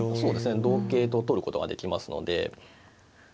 同桂と取ることができますので。